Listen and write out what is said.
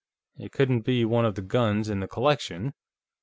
It couldn't be one of the guns in the collection.